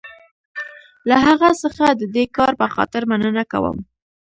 له هغه څخه د دې کار په خاطر مننه کوم.